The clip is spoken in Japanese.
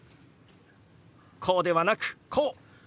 こうではなくこう。